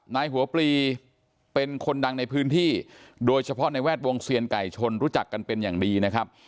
นายหัวปลีเป็นคนดังในพื้นที่โดยเฉพาะในแวดวงเซียนไก่ชนรู้จักกันเป็นอย่างดีนะครับ